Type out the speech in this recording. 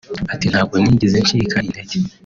Ati “Ntabwo nigeze ncika intege